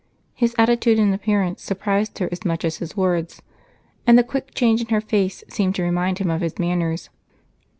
His attitude and appearance surprised her as much as his words, and the quick change in her face seemed to remind him of his manners.